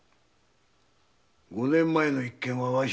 五年前の一件はわし